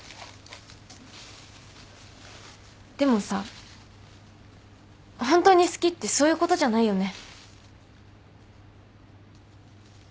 でもさ本当に好きってそういうことじゃないよね。